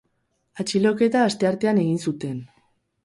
Atxiloketa asteartean egin zuten.